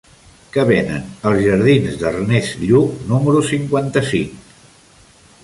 Què venen als jardins d'Ernest Lluch número cinquanta-cinc?